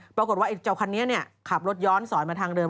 ปรากฏว่าไอ้เจ้าคันนี้ขับรถย้อนสอนมาทางเดิม